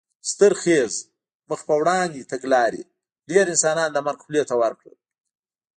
ستر خېز مخ په وړاندې تګلارې ډېر انسانان د مرګ خولې ته ور کړل.